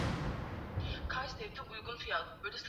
alichagua pico taro kuwa balozi wa utalii wa uganda